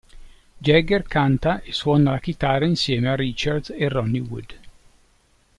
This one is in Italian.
Jagger canta e suona la chitarra insieme a Richards e Ronnie Wood.